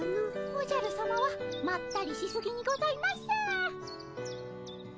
おじゃるさまはまったりしすぎにございます。